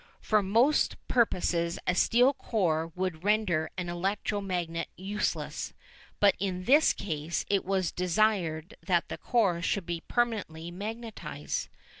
For most purposes a steel core would render an electro magnet useless, but in this case it was desired that the core should be permanently magnetised.